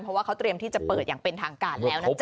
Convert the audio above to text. เพราะว่าเขาเตรียมที่จะเปิดอย่างเป็นทางการแล้วนะจ๊